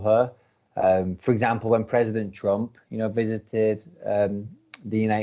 contohnya ketika presiden trump mengunjungi